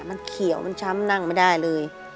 มันเขียวมันช้ำนั่งไม่ได้เลย